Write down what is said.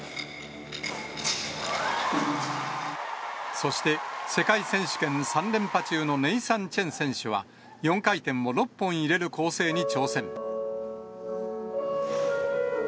そして、世界選手権３連覇中のネイサン・チェン選手は、４回転を６本入れる構成に挑戦。